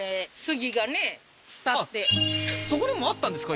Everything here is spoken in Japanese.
そこにもあったんですか？